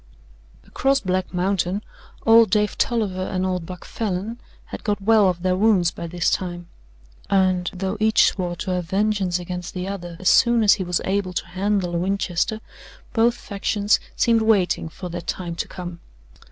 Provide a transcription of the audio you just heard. Across Black Mountain old Dave Tolliver and old Buck Falin had got well of their wounds by this time, and though each swore to have vengeance against the other as soon as he was able to handle a Winchester, both factions seemed waiting for that time to come.